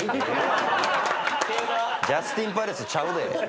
ジャスティンパレスちゃうで。